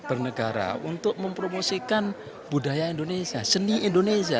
bernegara untuk mempromosikan budaya indonesia seni indonesia